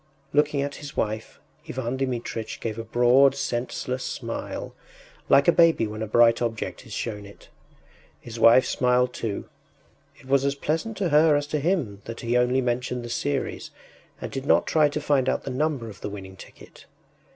” Looking at his wife, Ivan Dmitritch gave a broad, senseless smile, like a baby when a bright object is shown it. His wife smiled too; it was as pleasant to her as to him that he only mentioned the series, and did not try to find out the number of the winning ticket.